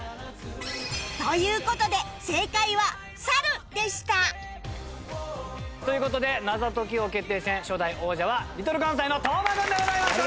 という事で正解はサルでしたという事で謎解き王決定戦初代王者は Ｌｉｌ かんさいの當間君でございました！